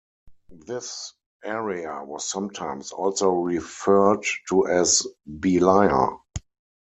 This area was sometimes also referred to as Beeliar.